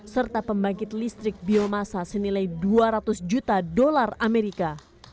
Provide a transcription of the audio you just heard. serta pembangkit listrik biomasa senilai dua ratus juta dolar amerika